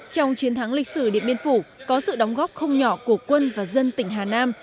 trong chiến thắng lịch sử điện biên phủ có sự đóng góp không nhỏ của quân và dân tỉnh hà nam